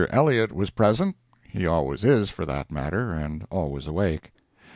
Elliott was present—he always is, for that matter, and always awake.